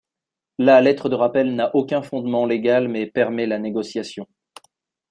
La lettre de rappel n'a aucun fondement légal mais permet la négociation.